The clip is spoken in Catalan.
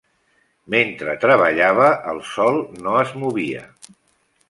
Mentre treballava el sol no es movia.